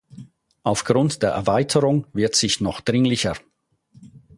Aufgrund der Erweiterung wird sich noch dringlicher.